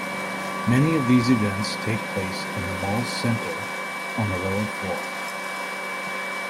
Many of these events take place in the mall's center on the lower floor.